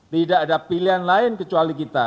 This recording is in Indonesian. tidak ada pilihan lain kecuali kita